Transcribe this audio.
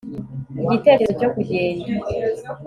igitekerezo cyo kugenda